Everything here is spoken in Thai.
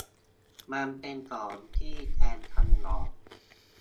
มันเป็นของที่แทนกันเหรอ ?